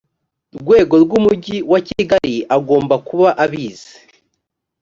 rwego rw umujyi wa kigali agomba kuba abizi